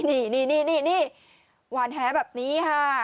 นี่หวานแหแบบนี้ค่ะ